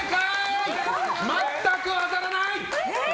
全く当たらない！